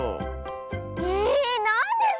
えなんです